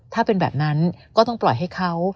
ถ้าเป็นแบบนั้นก็ต้องปล่อยให้เขา